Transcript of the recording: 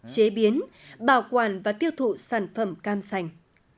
chế biến bảo quản và tiêu thụ sản phẩm cam sành